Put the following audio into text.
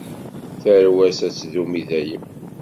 Tarwa-s ad tdum i dayem.